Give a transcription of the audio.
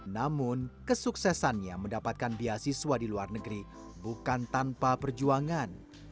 namun kesuksesannya mendapatkan beasiswa di luar negeri bukan tanpa perjuangan